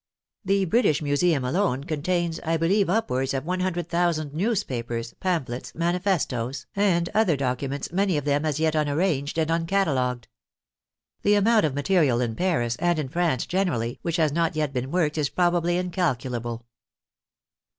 The British Museum alone contains, I believe, upwards of 100,000 newspapers, pamphlets, manifestoes, and other documents, many of them as yet unarranged and uncatalogued. The amount of material in Paris, and in France generally, which has not yet been worked is probably incalculable.